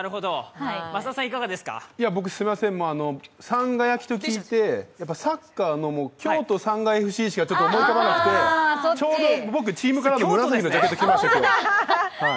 僕、さんが焼きと聞いてやっぱりサッカーの京都サンガＦ．Ｃ．しか思い浮かばなくて、ちょうど僕、チームカラーの紫のジャケット着てきました。